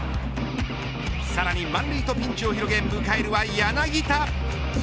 さらに満塁とピンチを広げ迎えるは柳田。